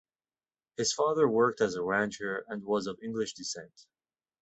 His father worked as a rancher and was of English descent.